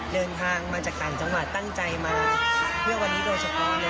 เดินทางมาจากกล่านจังหวัดตั้งใจมาเพื่อวันนี้โดทเฉพาะนางนะครับ